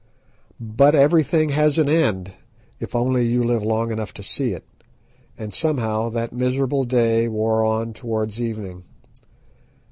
But everything has an end, if only you live long enough to see it, and somehow that miserable day wore on towards evening.